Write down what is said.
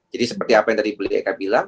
jadi seperti apa yang tadi bli eka bilang